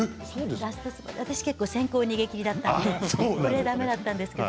私、結構先行逃げ切りだったのでだめだったんですけど。